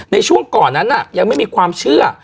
ในช่วงก่อนนั้นยังไม่มีความเชื่อ